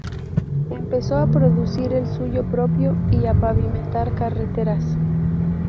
Empezó a producir el suyo propio y a pavimentar carreteras.